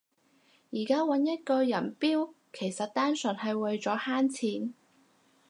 而家搵一個人標其實單純係為咗慳錢